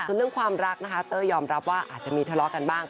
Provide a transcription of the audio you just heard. ส่วนเรื่องความรักนะคะเต้ยยอมรับว่าอาจจะมีทะเลาะกันบ้าง